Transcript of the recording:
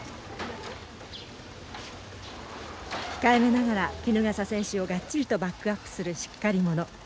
控えめながら衣笠選手をがっちりとバックアップするしっかり者。